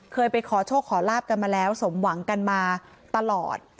เคยไปขอโชคขอลาบกันมาแล้วสมหวังกันมาตลอด